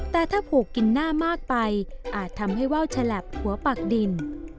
แต่ถ้าผูกกินหน้ามากไปอาจทำให้ว่าวฉลับหัวปักดิน